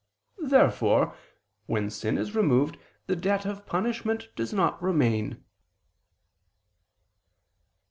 Therefore, when sin is removed the debt of punishment does not remain.